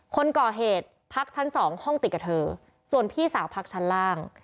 คนก่อเหตุพักชั้นสองห้องติดกับเธอส่วนพี่สาวพักชั้นล่าง